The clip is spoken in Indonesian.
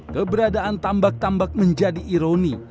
keberadaan tambak tambak menjadi ironi